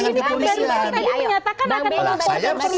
saya menyatakan akan dilaporkan perludem